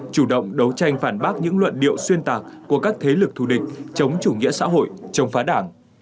chủ động đấu tranh phản bác những luận điệu xuyên tạc của các thế lực thù địch chống chủ nghĩa xã hội chống phá đảng